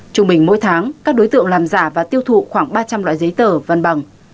trung bình mỗi tháng các đối tượng làm giả và tiêu thụ khoảng ba trăm linh loại giấy tờ văn bằng